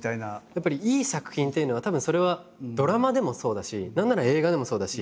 やっぱりいい作品っていうのはたぶんそれはドラマでもそうだし何なら映画でもそうだし